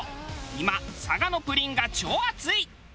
今佐賀のプリンが超熱い。